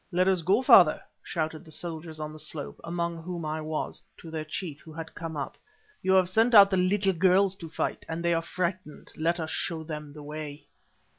"Let us go, father!" shouted the soldiers on the slope, among whom I was, to their chief, who had come up. "You have sent out the little girls to fight, and they are frightened. Let us show them the way."